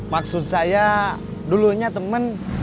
maksud saya dulunya temen